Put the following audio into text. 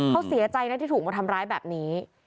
เขาเสียใจนะที่ถูกมาทำร้ายแบบนี้